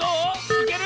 いける？